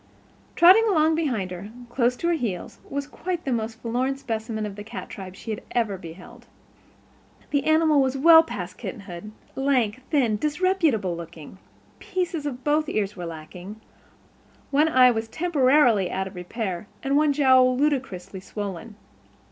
Trotting along behind her, close to her heels, was quite the most forlorn specimen of the cat tribe she had ever beheld. The animal was well past kitten hood, lank, thin, disreputable looking. Pieces of both ears were lacking, one eye was temporarily out of repair, and one jowl ludicrously swollen.